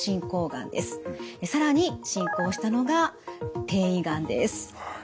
更に進行したのが転移がんです。